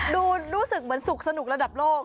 รู้สึกเหมือนสุขสนุกระดับโลก